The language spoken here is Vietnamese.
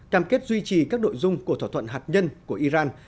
cam kết duy trì các nội dung của thỏa thuận hạt nhân của iran